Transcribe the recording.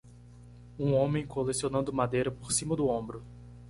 Um homem colecionando madeira por cima do ombro.